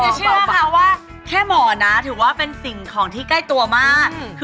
เชื่อค่ะว่าแค่หมอนะถือว่าเป็นสิ่งของที่ใกล้ตัวมาก